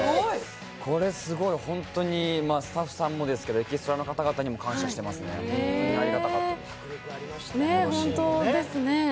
これ、すごい本当に、スタッフさんもですけどエキストラの方々にも感謝していますね、ありがたかったです。